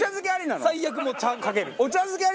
最悪もう茶かける。